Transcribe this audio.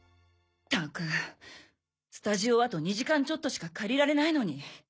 ったくスタジオあと２時間ちょっとしか借りられないのに。